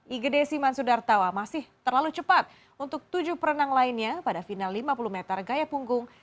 igede siman sudartawa masih terlalu cepat untuk tujuh perenang lainnya pada final lima puluh meter gaya punggung